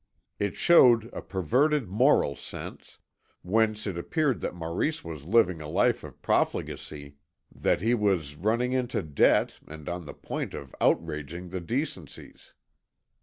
It showed a perverted moral sense; whence it appeared that Maurice was living a life of profligacy, that he was running into debt and on the point of outraging the decencies.